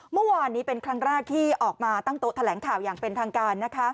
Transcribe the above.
เมื่อวานนี้เป็นครั้งแรกที่ออกมาตั้งโต๊ะแถลงข่าวอย่างเป็นทางการ